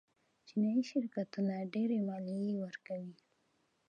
چینايي شرکتونه ډېرې مالیې ورکوي.